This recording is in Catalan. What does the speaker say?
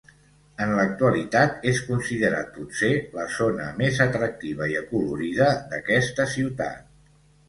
En l'actualitat és considerat potser la zona més atractiva i acolorida d'aquesta ciutat.